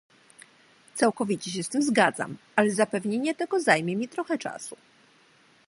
Całkowicie się z tym zgadzam, ale zapewnienie tego zajmie mi trochę czasu